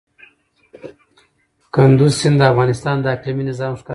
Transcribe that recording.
کندز سیند د افغانستان د اقلیمي نظام ښکارندوی دی.